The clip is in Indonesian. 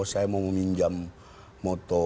saya mau meminjam